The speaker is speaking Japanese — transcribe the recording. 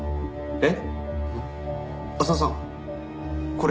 えっ？